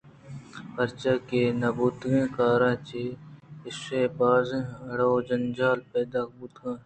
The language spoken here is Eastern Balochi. پرچا کہ اے نہ بوتگیں کارے ءُچہ ایشی ءَ بازیں اڑ ءُجنجال پیداک بوت کنت